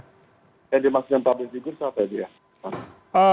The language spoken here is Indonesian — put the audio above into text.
yang dimaksudkan public figure siapa ya